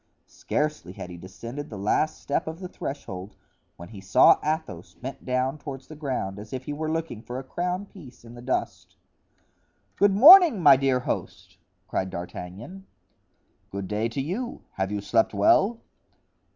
Scarcely had he descended the last step of the threshold when he saw Athos bent down toward the ground, as if he were looking for a crown piece in the dust. "Good morning, my dear host," cried D'Artagnan. "Good day to you; have you slept well?"